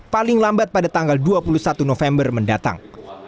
paling lambat pada tanggal dua puluh satu november mendatang